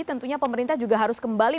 tentunya pemerintah juga harus kembali